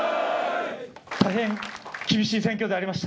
大変厳しい選挙でありました。